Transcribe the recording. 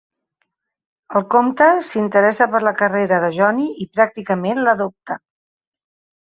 El comte s'interessa per la carrera de Johnny i pràcticament l'adopta.